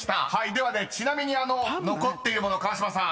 ではちなみに残っているもの川島さん